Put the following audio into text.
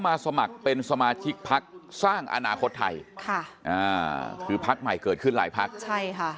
สมัครเป็นสมาชิกพักสร้างอนาคตไทยค่ะอ่าคือพักใหม่เกิดขึ้นหลายพักใช่ค่ะ